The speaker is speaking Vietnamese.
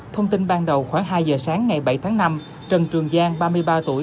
thông tin ban đầu khoảng hai giờ sáng ngày bảy tháng năm trần trường giang ba mươi ba tuổi